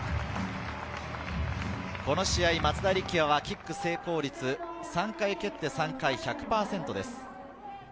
この試合、松田力也はキック成功率、３回蹴って３回、１００％です。